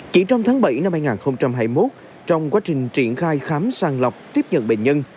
chỉ trong tháng bảy năm hai nghìn hai mươi một trong quá trình triển khai khám sàng lọc tiếp nhận bệnh nhân